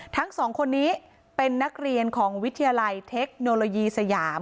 ทั้งสองคนนี้เป็นนักเรียนของวิทยาลัยเทคโนโลยีสยาม